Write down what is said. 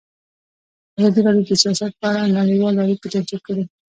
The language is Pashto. ازادي راډیو د سیاست په اړه نړیوالې اړیکې تشریح کړي.